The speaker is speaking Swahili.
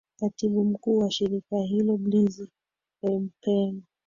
katibu mkuu wa shirika hilo bliz rempen